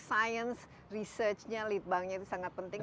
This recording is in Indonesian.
sains research nya lead bank nya itu sangat penting